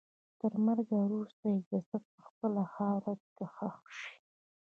تر مرګ وروسته یې جسد په خپله خاوره کې ښخ شي.